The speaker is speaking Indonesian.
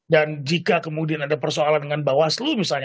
dan jika kemudian ada persoalan dengan bawaslu misalnya